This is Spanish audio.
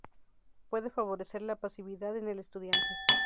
Puede favorecer la pasividad en el estudiante.